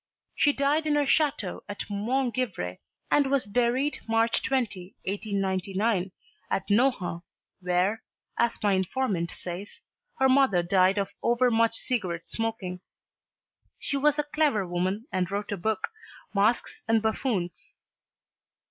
She died in her chateau at Montgivray and was buried March 20, 1899, at Nohant where, as my informant says, "her mother died of over much cigarette smoking." She was a clever woman and wrote a book "Masks and Buffoons."